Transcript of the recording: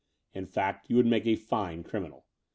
In fact, you would make a fine criminal.